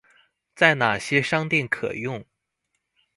在哪些商店可用